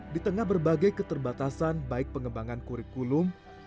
di tengah berbagai keterbatasan baik pengembangan kurikulum